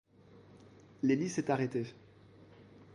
L’hélice est arrêtée.